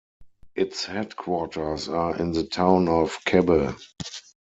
Its headquarters are in the town of Kebbe.